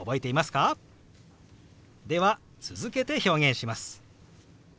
では続けて表現します。